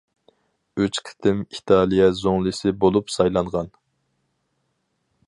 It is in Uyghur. ئۈچ قېتىم ئىتالىيە زۇڭلىسى بولۇپ سايلانغان.